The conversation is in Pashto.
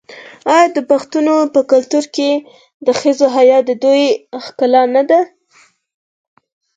آیا د پښتنو په کلتور کې د ښځو حیا د دوی ښکلا نه ده؟